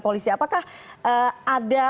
polisi apakah ada